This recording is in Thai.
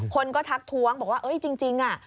คนก็ทักท้วงบอกว่าจริง